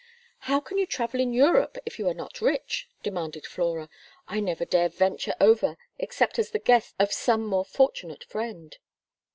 "How can you travel in Europe if you are not rich?" demanded Flora. "I never dare venture over except as the guest of some more fortunate friend."